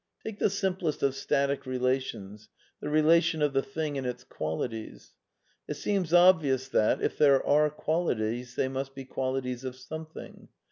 Take the simplest of static relations, the relation of the thing and its qualities. It seems obvious that, if there are qualities, they must be qualities of something.